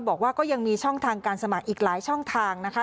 บอกว่าก็ยังมีช่องทางการสมัครอีกหลายช่องทางนะคะ